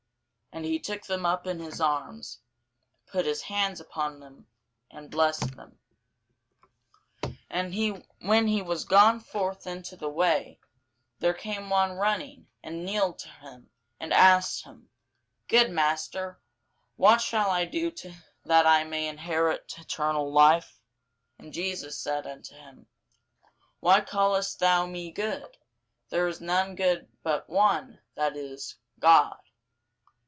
And he took them up in his arms, put his hands upon them, and blessed them. [Sidenote: St. Matthew 20] And when he was gone forth into the way, there came one running, and kneeled to him, and asked him, Good Master, what shall I do that I may inherit eternal life? And Jesus said unto him, Why callest thou me good? there is none good but one, that is, God.